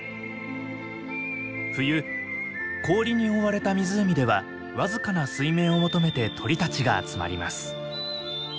冬氷に覆われた湖では僅かな水面を求めて鳥たちが集まります。